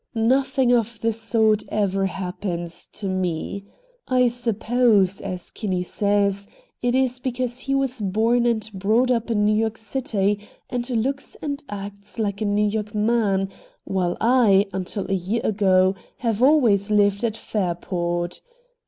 Nothing of the sort ever happens to me. I suppose, as Kinney says, it is because he was born and brought up in New York City and looks and acts like a New York man, while I, until a year ago, have always lived at Fairport.